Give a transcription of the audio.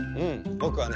ぼくはね